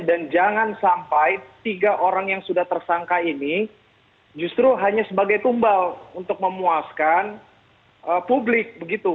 dan jangan sampai tiga orang yang sudah tersangka ini justru hanya sebagai tumbal untuk memuaskan publik